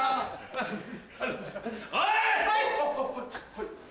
はい！